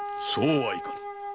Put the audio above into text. そうはいかん！